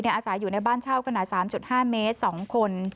อาศัยอยู่ในบ้านเช่าขนาด๓๕เมตร๒คน